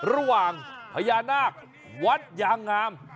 ระหว่างพญานาควัดยางงาม